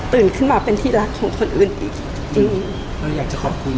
ขึ้นมาเป็นที่รักของคนอื่นอีกอืมเราอยากจะขอบคุณ